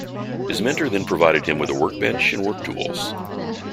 His mentor then provided him with a workbench and work tools.